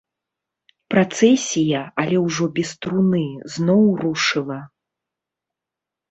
Працэсія, але ўжо без труны, зноў рушыла.